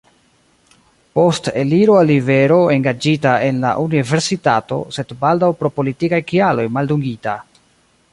Post eliro al libero engaĝita en la Universitato, sed baldaŭ pro politikaj kialoj maldungita.